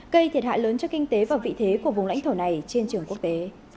gây thiệt hại lớn cho kinh tế và vị thế của vùng lãnh thổ này trên trường quốc tế